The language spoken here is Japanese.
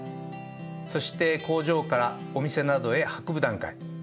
そして工場からお店などへはこぶ段階。